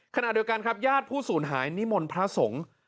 ขณะเดียวกันครับญาติผู้สูญหายนิมนต์พระสงฆ์